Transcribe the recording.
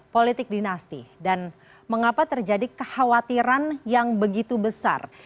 politik dinasti dan mengapa terjadi kekhawatiran yang begitu besar